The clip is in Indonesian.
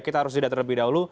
kita harus didatang lebih dahulu